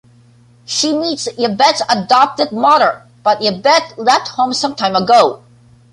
She meets Yvette's adoptive mother but Yvette left home some time ago.